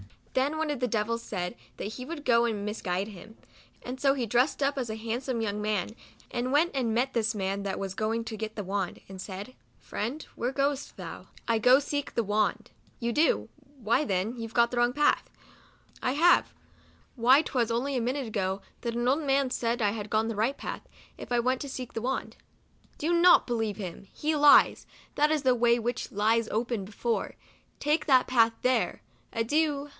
Then one of the devils said that he would go and misguide him ; and so he dressed up as a handsome young man, and went and met this man that was going to get the wand, and said, " Friend, where goest thou I" "I go to seek the wand." " You do ! why then you have got the wrong path." " I have ! why # 62 MEMOIRS OF A 'twas only a minute ago that an old man said that I had the right path, if I went to seek the wand." " Do not believe him ; he lies ; that is the way which lies open before. Take that path there. Adieu